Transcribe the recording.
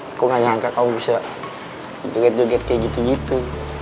aku gak nyangka kamu bisa joget joget kayak gitu gitu